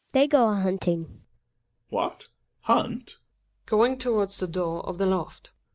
They go a hunting. Gregers. What hunt? {Going towards the door of the hft.)